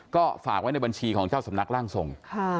ก็ฝากไว้ในบัญชีของเจ้าสำนักร่างทรง